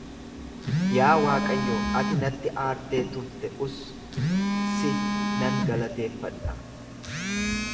Yaa Waaqayyo, ati natti aartee turteus si nan galateeffadha.